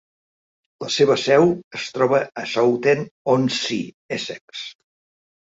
La seva seu es troba a Southend-on-Sea, Essex.